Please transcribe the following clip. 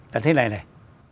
là thế này này